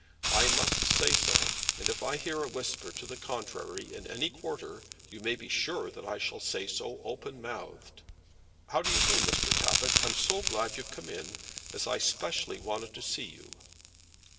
I must say so; and if I hear a whisper to the contrary in any quarter, you may be sure that I shall say so open mouthed. How d'you do, Mr. Tappitt? I'm so glad you've come in, as I specially wanted to see you."